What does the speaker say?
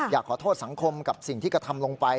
อยากขอโทษสังคมกับสิ่งที่กระทำลงไป